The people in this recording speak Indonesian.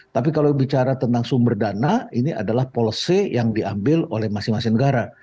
tapi kalau bicara tentang sumber dana ini adalah policy yang diambil oleh masing masing negara